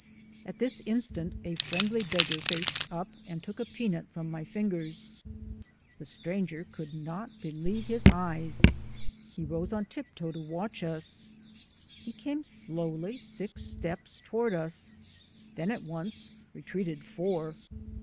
At this instant a friendly beggar raced up and took a peanut from my fingers. The stranger could not believe his eyes; he rose on tip toe to watch us. He came slowly six steps toward us, then at once retreated four.